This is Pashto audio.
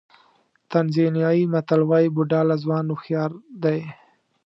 تانزانیايي متل وایي بوډا له ځوان هوښیار دی.